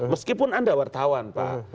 meskipun anda wartawan pak